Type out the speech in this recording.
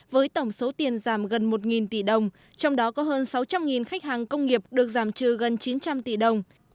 với tổng số tiền giảm gần một tỷ đồng trong đó có hơn sáu trăm linh khách hàng công nghiệp được giảm trừ gần chín trăm linh tỷ đồng